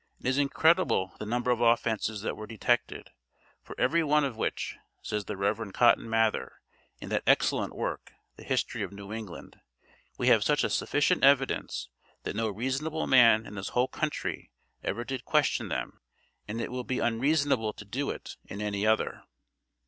It is incredible the number of offences that were detected, "for every one of which," says the Reverend Cotton Mather, in that excellent work, the History of New England, "we have such a sufficient evidence, that no reasonable man in this whole country ever did question them; and it will be unreasonable to do it in any other."